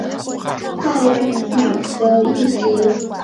在蓝彼得一词。